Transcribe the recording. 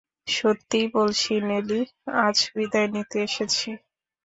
সত্যই বলছি নেলি, আজ বিদায় নিতে এসেছি।